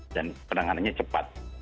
dan penanganannya cepat